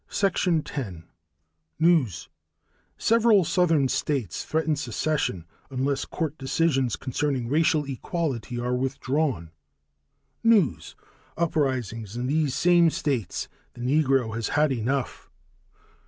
News: Several southern states threaten secession unless court decisions concerning racial equality are withdrawn. News: Uprisings in these same states. The Negro has had enough.